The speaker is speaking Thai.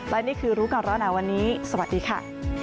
และนี่คือรู้ก่อนร้อนหนาวันนี้สวัสดีค่ะ